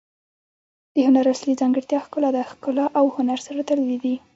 د هنر اصلي ځانګړتیا ښکلا ده. ښګلا او هنر سره تړلي دي.